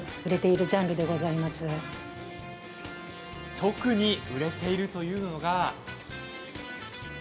特に売れているというのが。